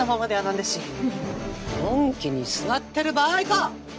のんきに座ってる場合か！